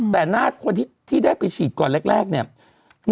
แต่หน้าคนที่ได้ไปฉีดก่อนแรกเนี่ย